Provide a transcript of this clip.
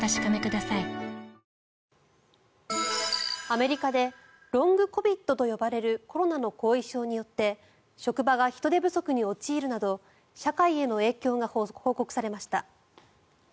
アメリカでロングコビッドと呼ばれるコロナの後遺症によって職場が人手不足に陥るなど社会への影響が報告されました。